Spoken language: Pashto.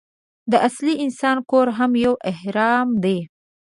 د عصري انسان کور هم یو اهرام دی.